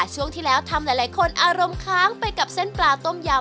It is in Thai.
ช่วงที่แล้วทำหลายคนอารมณ์ค้างไปกับเส้นปลาต้มยำ